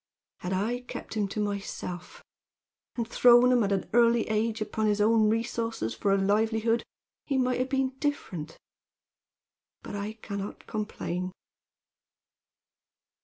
Had I kept him to myself and thrown him at an early age upon his own resources for a livelihood, he might have been different. But I can not complain.